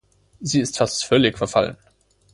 Sie ist fast völlig verfallen.